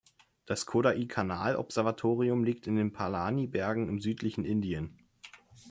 Das Kodaikanal-Observatorium liegt in den Palani-Bergen im südlichen Indien.